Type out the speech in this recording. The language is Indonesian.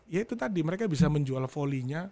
ya itu tadi mereka bisa menjual fowlinya